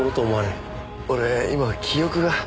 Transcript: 俺今記憶が。